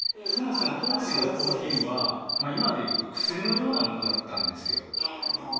そもそも当時のコーヒーは今でいうと薬のようなものだったんですよ。